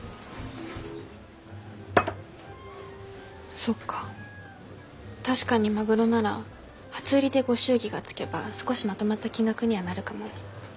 そっか確かにマグロなら初売りでご祝儀がつけば少しまとまった金額にはなるかもね。